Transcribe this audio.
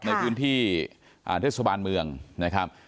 ในพื้นที่เทศบาลเมืองนะครับ